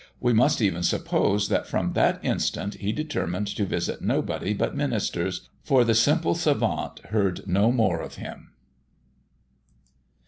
We must even suppose that from that instant he determined to visit nobody but ministers, for the simple savant heard no more of him.